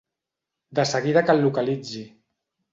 De seguida que el localitzi.